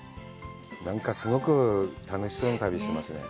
何か、すごく楽しそうな旅をしてますね。